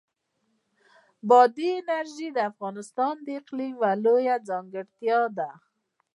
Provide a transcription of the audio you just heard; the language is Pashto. بادي انرژي د افغانستان د اقلیم یوه لویه ځانګړتیا ده.